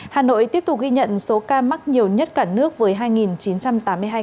hà nội tiếp tục ghi nhận số ca mắc nhiều nhất cả nước với hai chín trăm tám mươi hai ca